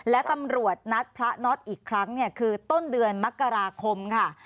และตำรวจนัดพระน็อตอีกครั้งเนี่ยคือต้นเดือนมกราคมค่ะ